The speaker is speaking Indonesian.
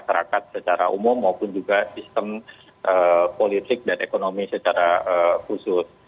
masyarakat secara umum maupun juga sistem politik dan ekonomi secara khusus